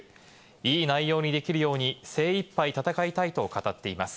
いい内容にできるように精いっぱい戦いたいと語っています。